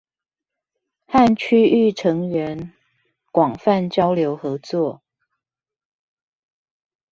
和區域成員廣泛交流合作